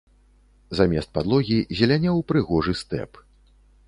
Замест падлогі зелянеў прыгожы стэп.